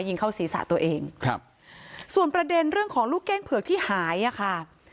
เข้าศีรษะตัวเองครับส่วนประเด็นเรื่องของลูกเก้งเผือกที่หายอ่ะค่ะ